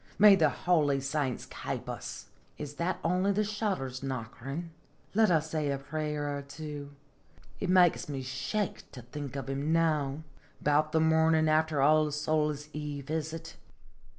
May the holy saints kape us ! Is that only the shutters knockiri'? Let us say a prayer or two. It makes me shake to think of him now. "About the mornin' after All Souls' Eve, is it?